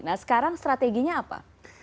nah sekarang strateginya apa